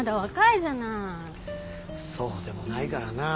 そうでもないからな。